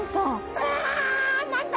うわ何だ